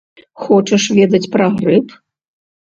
Хочаш ведаць пра грып?